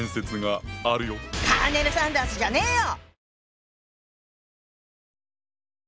カーネル・サンダースじゃねよ！